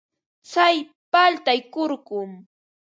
Tsay paltay kurkum.